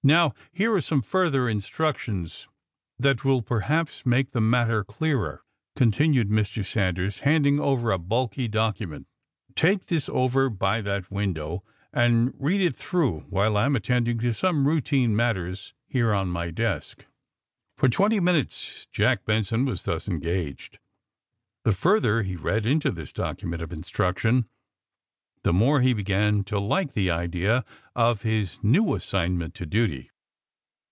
Now, here are some further instructions that will per haps make the matter clearer," continued Mr. Sanders, handing over a bulky document. ^* Take this over by that window and read it through while I am attending to some routine matters here on my desk." For twenty minutes Jack Benson was thus en gaged. The further he read into tliis document of instruction the more he began to like the idea of his new assignment to duty.